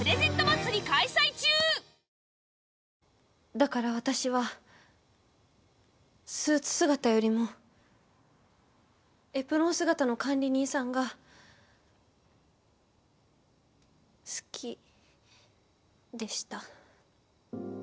だから私はスーツ姿よりもエプロン姿の管理人さんが好きでした。